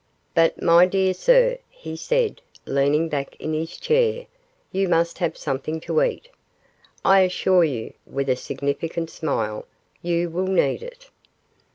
'But, my dear sir,' he said, leaning back in his chair, 'you must have something to eat. I assure you,' with a significant smile, 'you will need it.